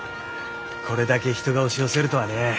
これだけ人が押し寄せるとはね。